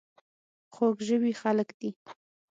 خوږ ژبې خلک دي .